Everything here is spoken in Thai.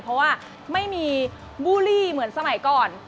เพราะว่าไม่มีบูลลี่เหมือนสมัยก่อน